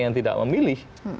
yang tidak memilih